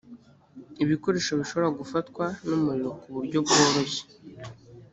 ibikoresho bishobora gufatwa n’umuriro ku buryo bworoshye